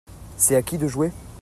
C'est à qui de jouer ?